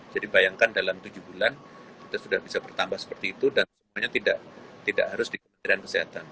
jadi bayangkan dalam tujuh bulan kita sudah bisa bertambah seperti itu dan semuanya tidak harus di kementerian kesehatan